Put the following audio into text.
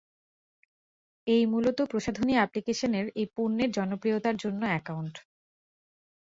এই মূলত প্রসাধনী অ্যাপ্লিকেশনের এই পণ্যের জনপ্রিয়তার জন্য অ্যাকাউন্ট।